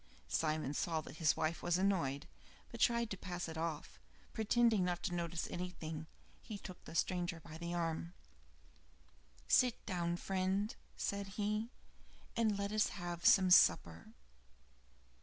Simon saw that his wife was annoyed, but tried to pass it off. Pretending not to notice anything, he took the stranger by the arm. "Sit down, friend," said he, "and let us have some supper."